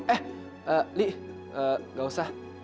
eh li gak usah